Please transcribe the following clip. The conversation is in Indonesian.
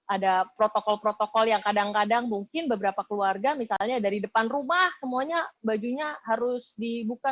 ada protokol protokol yang kadang kadang mungkin beberapa keluarga misalnya dari depan rumah semuanya bajunya harus dibuka